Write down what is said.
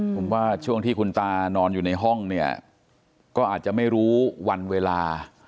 ผมว่าช่วงที่คุณตานอนอยู่ในห้องเนี่ยก็อาจจะไม่รู้วันเวลา